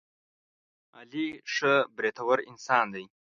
علي ښه برېتور انسان دی.